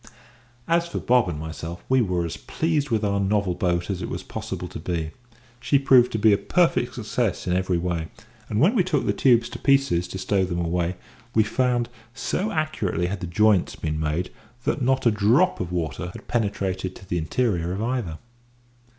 As for Bob and myself, we were as pleased with our novel boat as it was possible to be. She proved to be a perfect success in every way; and when we took the tubes to pieces to stow them away, we found, so accurately had the joints been made, that not a drop of water had penetrated to the interior of either.